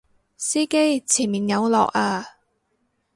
司機前面有落啊！